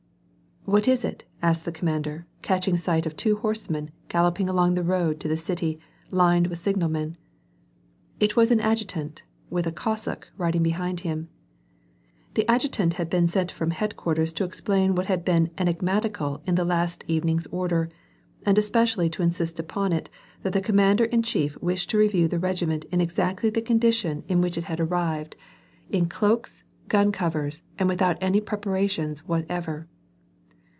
♦ "What is it ?" asked the commander, catching sight of two horsemen galloping along the road to the city, lined witli sig nal men. It was an adjutant,. with a Cossack riding behind him. The adjutant had been sent from headquarters to explain vhat had been enigmatical in the last evening's order, and especially to insist upon it that the commander in chief wished to review the regiment in exactly the condition in which it had • Ttaritsuin Lug^ a famons parade ground near St. Petersburg. — Tr. 132 WAR AND PEACE, arrived — in cloaks, gun covers, and without any preparations whatever.